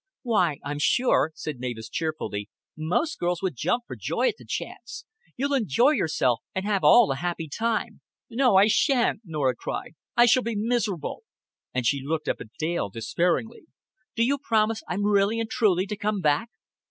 "Why, I'm sure," said Mavis cheerfully, "most girls would jump for joy at the chance. You'll enjoy yourself, and have all a happy time." "No, I shan't," Norah cried. "I shall be miserable;" and she looked up at Dale despairingly. "Do you promise I'm really and truly to come back?"